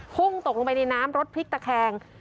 พุ่งตกลงไปในน้ำรถพลิกตะแคง